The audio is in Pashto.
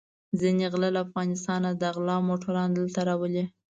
ځينې غله له افغانستانه د غلا موټران دلته راولي.